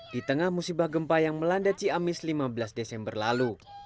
di tengah musibah gempa yang melanda ciamis lima belas desember lalu